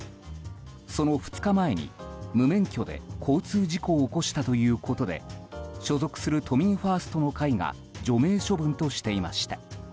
その２日前に無免許で交通事故を起こしたということで所属する都民ファーストの会が除名処分としていました。